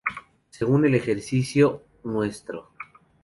Según el ejercicio Nro.